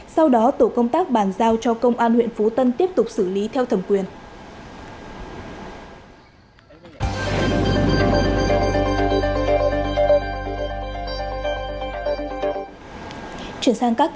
sau đó tổ công tác bàn giao cho công an huyện phú tân tiếp tục xử lý theo thẩm quyền